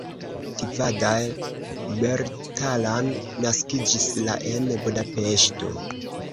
Tivadar Bertalan naskiĝis la en Budapeŝto.